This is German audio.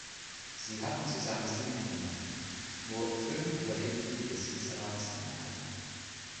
Sie hatten zusammen sieben Kinder; nur fünf überlebten bis ins Erwachsenenalter.